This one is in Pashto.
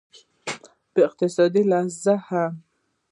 په اقتصادي لحاظ هم